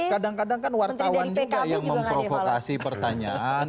kadang kadang kan wartawan juga yang memprovokasi pertanyaan